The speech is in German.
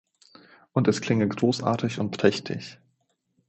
Und es klinge großartig und prächtig.